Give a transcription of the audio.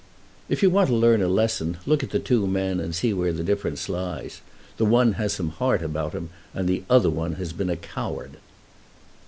"If you want to learn a lesson look at the two men, and see where the difference lies. The one has had some heart about him, and the other has been a coward."